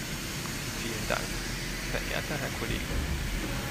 Vielen Dank, verehrter Herr Kollege.